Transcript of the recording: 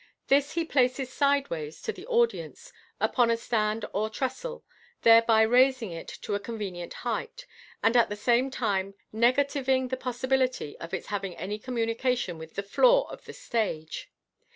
This he places sideways to the audience, upon a stand or trestle, thereby raising it to a convenient height, and at the same time negativing the possibility of its having any communication with the floor of the stage.